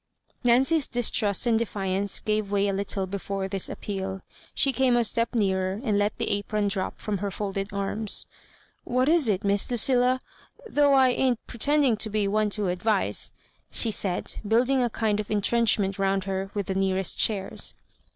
^* Nancyia distrust and defiance gave way a little before this appeal She came a step nearer, and let the apron drop from her folded arm& "What is it. Miss Lucilla? — though I ain't pre tending to be one to advise, she said, building a kind of intrenchment round her with the nearest chairs.